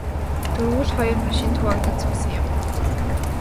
Дөрвүүл хоёр машинд хуваагдаж суусан юм.